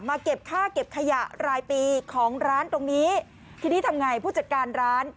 เก็บค่าเก็บขยะรายปีของร้านตรงนี้ทีนี้ทำไงผู้จัดการร้าน